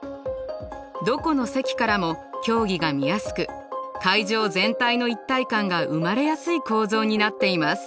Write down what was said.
どこの席からも競技が見やすく会場全体の一体感が生まれやすい構造になっています。